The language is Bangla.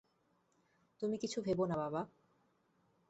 তুমি কিছু ভেবো না বাবা!